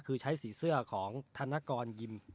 คือใช้สีเสื้อของธนกรยิม